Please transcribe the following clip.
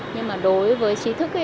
nhưng mà đối với trí thức